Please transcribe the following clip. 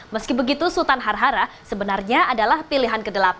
meski begitu sultan harhara sebenarnya adalah pilihan ke delapan